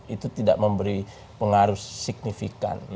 itu tidak memberi pengaruh signifikan